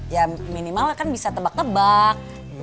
ya minimal kan bisa tebak tebak